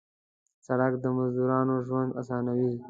سړک د مزدورانو ژوند اسانوي.